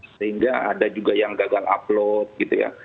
sehingga ada juga yang gagal upload gitu ya